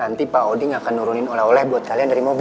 nanti pak oding akan nurunin oleh oleh buat kalian dari mobil